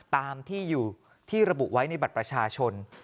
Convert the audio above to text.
ตามที่อยู่ที่ระบุไว้ในบัตรประชาชน